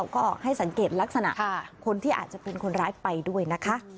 ก็ให้สังเกตลักษณะคนที่อาจจะเป็นคนร้ายไปด้วยนะคะ